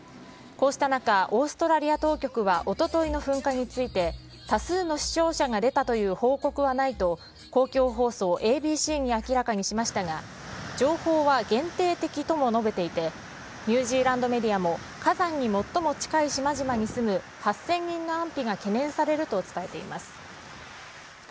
こうした中、オーストラリア当局はおとといの噴火について、多数の死傷者が出たという報告はないと、公共放送ＡＢＣに明らかにしましたが、情報は限定的とも述べていて、ニュージーランドメディアも、火山に最も近い島々に住む８０００人の安否が懸念されると伝えています。